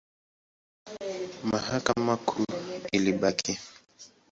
Mahakama Kuu ilibaki.